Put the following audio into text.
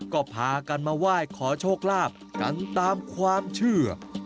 ก็พากันมาไหว้ขอโชคลาภกันตามความเชื่อ